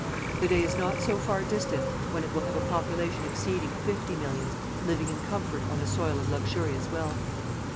The day is not so far distant when it will have a population exceeding fifty millions living in comfort on a soil of luxurious wealth.